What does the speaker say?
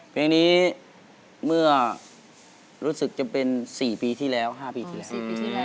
เพลงนี้เมื่อรู้สึกจะเป็น๔ปีที่แล้ว๕ปีที่แล้ว